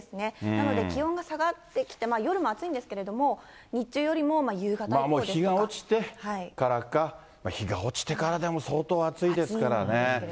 なので、気温が下がってきて、夜も暑いんですけれども、もう日が落ちてからか、日が落ちてからでも相当暑いですからね。